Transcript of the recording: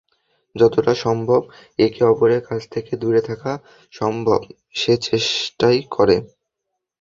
যতটা সম্ভব একে অপরের কাছ থেকে দূরে থাকা সম্ভব, সে চেষ্টাই করে।